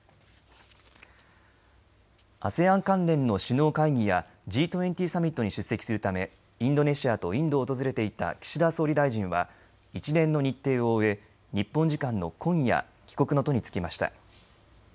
ＡＳＥＡＮ関連の首脳会議やＧ２０サミットに出席するためインドネシアとインドを訪れていた岸田総理大臣は一連の日程を終え日本時間の今夜帰国の途につきました。